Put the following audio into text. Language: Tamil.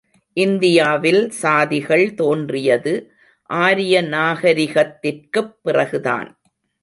இந்தியாவில் சாதிகள் தோன்றியது ஆரிய நாகரிகத்திற்குப் பிறகுதான்.